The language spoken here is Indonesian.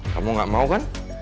kamu gak mau kan